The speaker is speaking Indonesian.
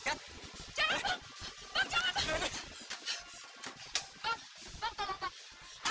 jangan bang bang jangan bang